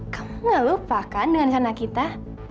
kamu nggak lupa kan dengan rencana kita